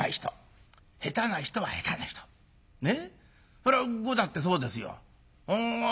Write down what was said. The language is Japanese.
それは碁だってそうですよ。